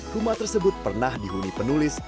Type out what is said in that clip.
rumah tersebut pernah dihuni penulis